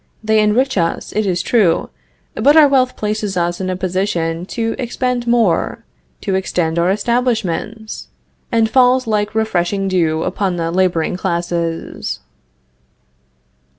They enrich us, it is true, but our wealth places us in a position to expend more, to extend our establishments, and falls like refreshing dew upon the laboring classes."